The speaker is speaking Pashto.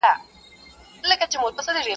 o د بل غم تر واوري سوړ دئ.